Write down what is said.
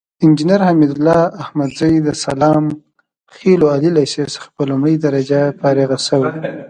انجينر حميدالله احمدزى د سلام خيلو عالي ليسې څخه په لومړۍ درجه فارغ شوى.